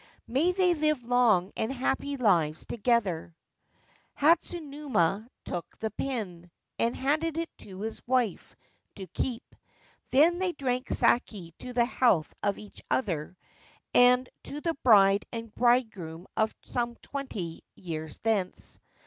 May they live long and happy lives together.' Hasunuma took the pin, and handed it to his wife to keep ; then they drank sake to the health of each other, and to the bride and bridegroom of some twenty years thence.